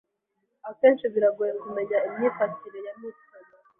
akenshi biragoye kumenya imyifatire ya Milton